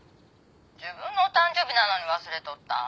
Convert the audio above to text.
自分のお誕生日なのに忘れとったん？